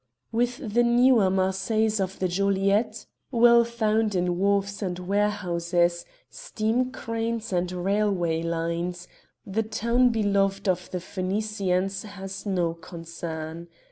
With the newer Marseilles of the Joliette well found in wharfs and warehouses, steam cranes and railway lines the town beloved of the Phoenicians has no concern.